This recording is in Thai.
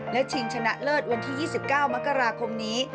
และชิงชนะเลิศวันที่๒๙มกราคมนี้